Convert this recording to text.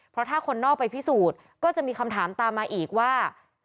เพราะถ้าคนนอกไปพิสูจน์ก็จะมีคำถามตามมาอีกว่า